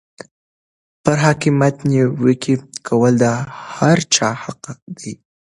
پر حاکمیت نیوکې کول د هر چا حق دی.